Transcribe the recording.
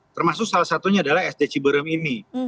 termasuk salah satunya adalah sd ciberem ini